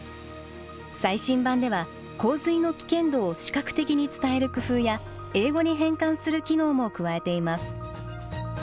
最新版では洪水の危険度を視覚的に伝える工夫や英語に変換する機能も加えています。